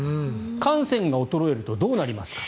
汗腺が衰えるとどうなりますか。